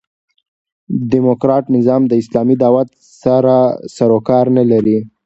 ډيموکراټ نظام د اسلامي دعوت سره سر و کار نه لري.